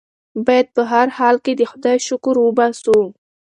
بايد په هر حال کې د خدای شکر وباسو.